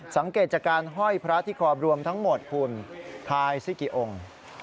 สังเกตจากการห้อยพระที่คอรวมทั้งหมดคุณทายสิกี่องค์